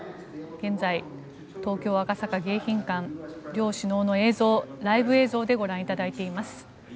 現在、東京・赤坂の迎賓館両首脳の映像をライブ映像でご覧いただいています。